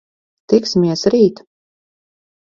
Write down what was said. Tiksimies rīt!